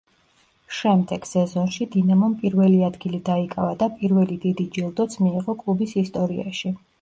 შემდეგ სეზონში დინამომ პირველი ადგილი დაიკავა და პირველი დიდი ჯილდოც მიიღო კლუბის ისტორიაში.